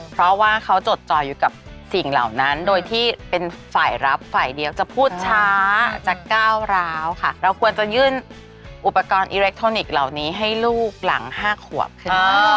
เพราะว่าเขาจดจ่อยอยู่กับสิ่งเหล่านั้นโดยที่เป็นฝ่ายรับฝ่ายเดียวจะพูดช้าจะก้าวร้าวค่ะเราควรจะยื่นอุปกรณ์อิเล็กทรอนิกส์เหล่านี้ให้ลูกหลัง๕ขวบขึ้น